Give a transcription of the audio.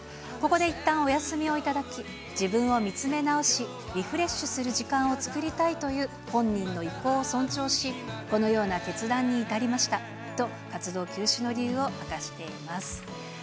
ここでいったんお休みを頂き、自分を見つめ直し、リフレッシュする時間を作りたいという本人の意向を尊重し、このような決断に至りましたと、活動休止の理由を明かしています。